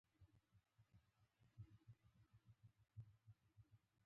استعماري دولت بازار موندنې بورډ د مالیاتو راټولولو لپاره وکاراوه.